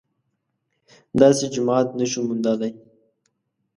داسې جماعت نه شو موندلای